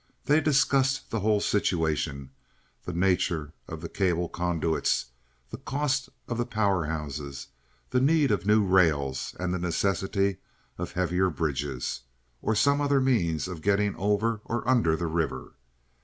They discussed the whole situation—the nature of the cable conduits, the cost of the power houses, the need of new rails, and the necessity of heavier bridges, or some other means of getting over or under the river.